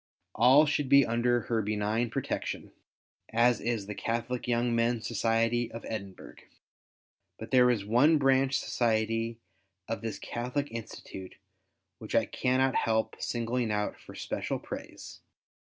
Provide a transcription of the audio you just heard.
All should be under Her benign protection, as is the Catholic Young Men's Society of Edinburgh. But there is one branch society of this Catholic Institute which I cannot help singling out for special praise.